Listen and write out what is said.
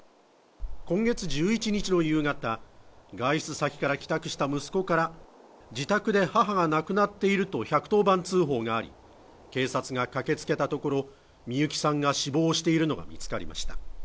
今月１１日の夕方外出先から帰宅した息子から自宅で母が亡くなっていると１１０番通報があり警察が駆けつけたところみゆきさんが死亡しているのが見つかりました